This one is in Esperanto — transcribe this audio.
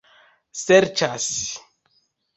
serĉas